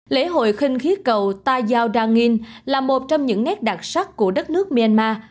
lễ hội khinh khí cầu ta giao ra nghin là một trong những nét đặc sắc của đất nước myanmar